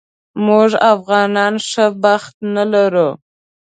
موږ افغانان ښه بخت نه لرو